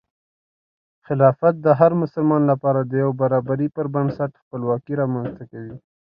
خلافت د هر مسلمان لپاره د یو برابري پر بنسټ خپلواکي رامنځته کوي.